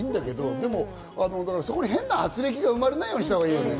そこに変なあつれきが生まれないようにしなきゃいいよね。